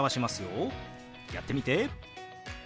やってみて。